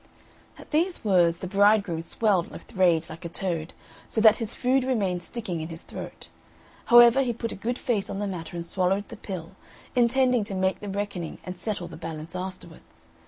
At these words the bridegroom swelled with rage like a toad, so that his food remained sticking in his throat; however, he put a good face on the matter and swallowed the pill, intending to make the reckoning and settle the balance afterwards.